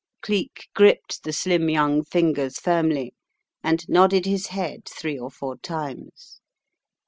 Cleek, gripped the slim young fingers firmly and nodded his head three or four times.